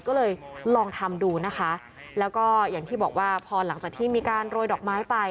ก็เลยลองทำดูนะคะแล้วก็อย่างที่บอกว่าพอหลังจากที่มีการโรยดอกไม้ไป